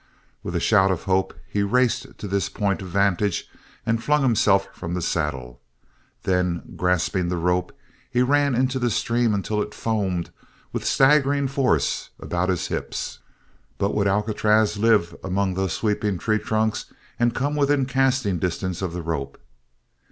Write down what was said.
With a shout of hope he raced to this point of vantage and flung himself from the saddle. Then, grasping the rope, he ran into the stream until it foamed with staggering force about his hips. But would Alcatraz live among those sweeping treetrunks and come within casting distance of the rope?